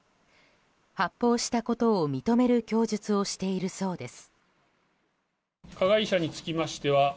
発砲したことを認める供述をしているそうです。